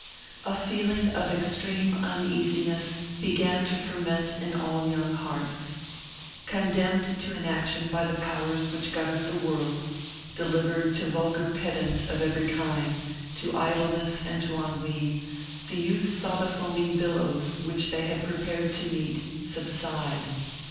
A feeling of extreme uneasiness began to ferment in all young hearts. Condemned to inaction by the powers which governed the world, delivered to vulgar pedants of every kind, to idleness and to ennui, the youth saw the foaming billows which they had prepared to meet, subside.